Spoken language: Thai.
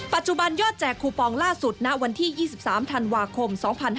ปัจจุบันยอดแจกคูปองล่าสุดณวันที่๒๓ธันวาคม๒๕๕๙